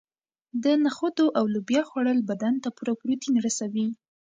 د نخودو او لوبیا خوړل بدن ته پوره پروټین رسوي.